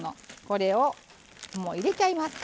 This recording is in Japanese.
これを入れちゃいます。